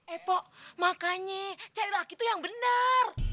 eh pok makanya cari laki tuh yang bener